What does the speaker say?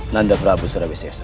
nanda prabu surabaya sesa